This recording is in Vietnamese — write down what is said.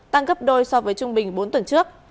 tăng gấp đôi so với trung bình bốn tuần trước